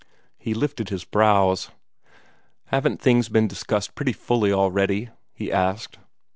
He lifted his brows. "Haven't things been discussed pretty fully already?" he asked.